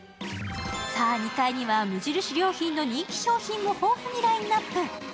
２階には無印良品の人気商品を豊富にラインナップ。